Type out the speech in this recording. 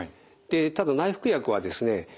ただ内服薬はですね